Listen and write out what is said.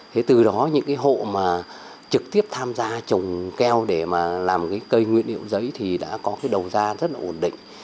thế từ đó những cái hộ mà trực tiếp tham gia trồng keo để mà làm cái cây nguyên liệu giấy thì đã có cái đầu ra rất là ổn định